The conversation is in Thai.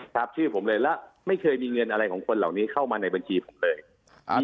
ชื่อผมเลยแล้วไม่เคยมีเงินอะไรของคนเหล่านี้เข้ามาในบัญชีผมเลยอ่า